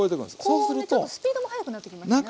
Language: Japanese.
高音でちょっとスピードも速くなってきましたね。